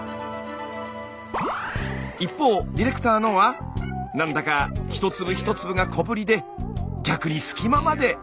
一方ディレクターのは何だか一粒一粒が小ぶりで逆に隙間まで！